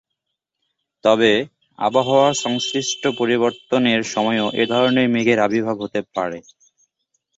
তবে, আবহাওয়ার সংশ্লিষ্ট পরিবর্তনের সময়ও এই ধরনের মেঘের আবির্ভাব হতে পারে।